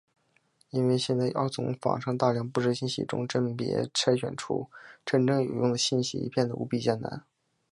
因为现在要从网上大量不实信息中甄别筛选出真实有用的信息已变的无比艰难。